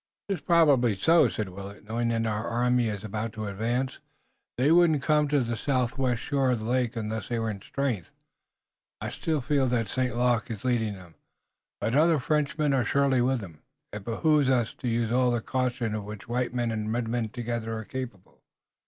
"It's probably so," said Willet. "Knowing that our army is about to advance they wouldn't come to the southwest shore of the lake unless they were in strength. I still feel that St. Luc is leading them, but other Frenchmen are surely with him. It behooves us to use all the caution of which white men and red together are capable.